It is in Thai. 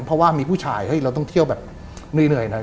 เพราะว่ามีผู้ชายเราต้องเที่ยวเหนื่อยหน่อย